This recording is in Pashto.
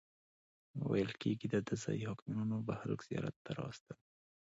ویل کیږي دده ځایي حاکمانو به خلک زیارت ته راوستل.